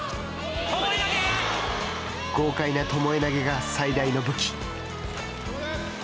豪快な巴投げが、最大の武器。